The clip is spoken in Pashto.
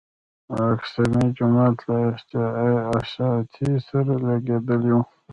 او الاقصی جومات له احاطې سره لګېدلی و.